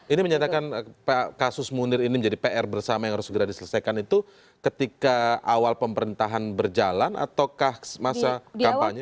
ini menyatakan kasus munir ini menjadi pr bersama yang harus segera diselesaikan itu ketika awal pemerintahan berjalan ataukah masa kampanye